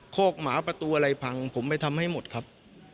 โคกหมาประตูอะไรพังผมไปทำให้หมดครับ